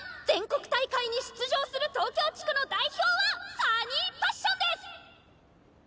全国大会に出場する東京地区の代表はサニーパッションです！」。